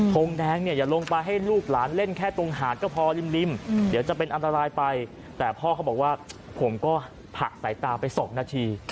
ทงแดงเนี่ยอย่าลงไปให้ลูกหลานเล่นแค่ตรงหาดก็พอริมเดี๋ยวจะเป็นอันตรายไปแต่พ่อเขาบอกว่าผมก็ผลักสายตาไป๒นาที